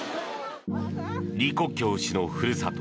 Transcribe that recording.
李克強氏のふるさと